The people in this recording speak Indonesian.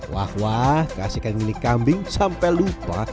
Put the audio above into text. wah wah keasikan milik kambing sampai lupa